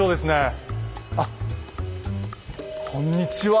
あっこんにちは！